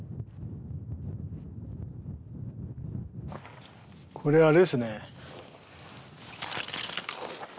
これあれですね。